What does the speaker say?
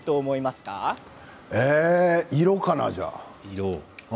色かな？